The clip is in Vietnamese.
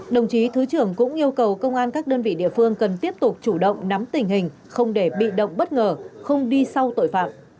đồng chí thứ trưởng cũng yêu cầu công an các đơn vị địa phương cần tiếp tục chủ động nắm tình hình không để bị động bất ngờ không đi sau tội phạm